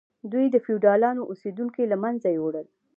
دوی د فیوډالانو اوسیدونکي له منځه یوړل.